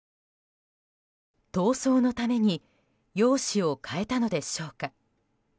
逃走のために容姿を変えたのでしょうか。